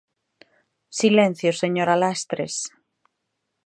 ¡Silencio, señora Lastres!